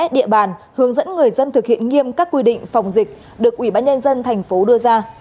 địa bàn hướng dẫn người dân thực hiện nghiêm các quy định phòng dịch được ủy ban nhân dân thành phố đưa ra